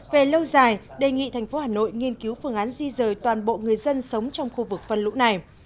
về lâu dài đề nghị thành phố hà nội nghiên cứu phương án di rời toàn bộ người dân sống trong khu vực phân lũ này